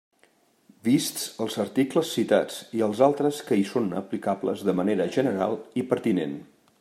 Vists els articles citats i els altres que hi són aplicables de manera general i pertinent.